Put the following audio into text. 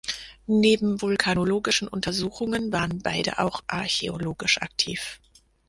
Neben vulkanologischen Untersuchungen waren beide auch archäologisch aktiv.